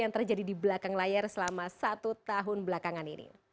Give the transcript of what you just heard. yang terjadi di belakang layar selama satu tahun belakangan ini